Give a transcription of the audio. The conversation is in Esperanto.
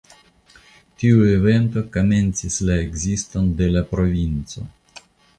Tiu evento komencis la ekziston de La Provinco.